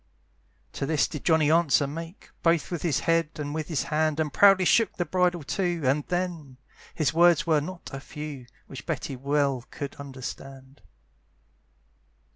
To this did Johnny answer make, Both with his head, and with his hand, And proudly shook the bridle too, And then! his words were not a few, Which Betty well could understand.